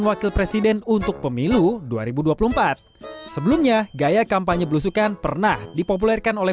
wakil presiden untuk pemilu dua ribu dua puluh empat sebelumnya gaya kampanye belusukan pernah dipopulerkan oleh